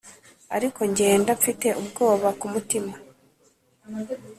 ariko ngenda mfite ubwoba kumutima